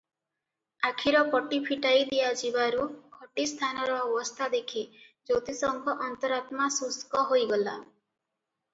ଆଖିର ପଟି ଫିଟାଇ ଦିଆଯିବାରୁ ଖଟି ସ୍ଥାନର ଅବସ୍ଥା ଦେଖି ଜ୍ୟୋତିଷଙ୍କ ଅନ୍ତରାତ୍ମା ଶୁଷ୍କ ହୋଇଗଲା ।